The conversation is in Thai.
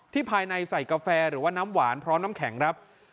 ภายในใส่กาแฟหรือว่าน้ำหวานพร้อมน้ำแข็งครับ